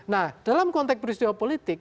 nah dalam konteks peristiwa politik